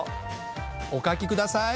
お書きください。